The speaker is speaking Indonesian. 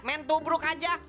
main tubruk aja